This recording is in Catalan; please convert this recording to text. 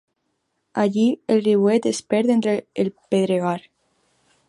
Allí el riuet es perd entre el pedregar.